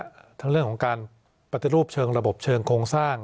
กับเคลื่อนตรงเนี้ยทั้งเรื่องของการปฏิรูปเชิงระบบเชิงโครงสร้าง